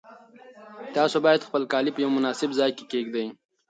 تاسو باید خپل کالي په یو مناسب ځای کې کېږدئ.